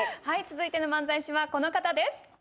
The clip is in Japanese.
続いての漫才師はこの方です。